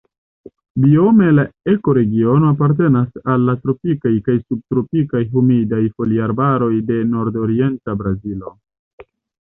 Biome la ekoregiono apartenas al la tropikaj kaj subtropikaj humidaj foliarbaroj de nordorienta Brazilo.